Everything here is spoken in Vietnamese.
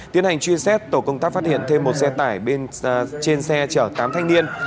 tiến hành truy xét tổ công tác phát hiện thêm một xe tải trên xe chở tám thanh niên